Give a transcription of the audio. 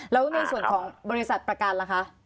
แล้วในส่วนของบริษัทประกันล่ะคะ